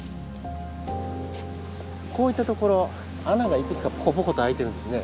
こういったところ穴がいくつかポコポコと開いてるんですね